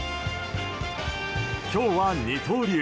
今日は二刀流。